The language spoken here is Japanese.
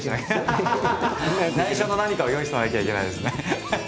ないしょの何かを用意しとかなきゃいけないですね。